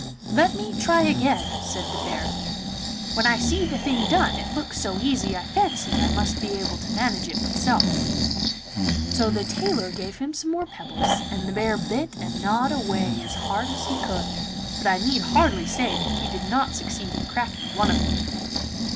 'Let me try again,' said the bear; 'when I see the thing done it looks so easy I fancy I must be able to manage it myself.' So the tailor gave him some more pebbles, and the bear bit and gnawed away as hard as he could, but I need hardly say that he did not succeed in cracking one of them.